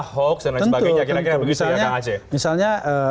hoax dan lain sebagainya